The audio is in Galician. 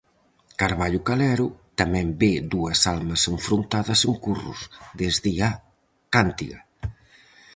Carballo Calero tamén ve dúas almas enfrontadas en Curros, desde a "Cántiga":